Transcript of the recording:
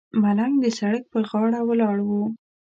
ملنګ د سړک پر غاړه ولاړ و.